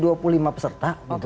jadi dua puluh lima peserta